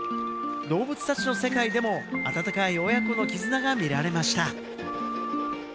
動物たちの世界でも温かい親子の絆が見られました。